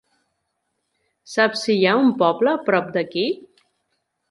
Saps si hi ha un poble prop d'aquí?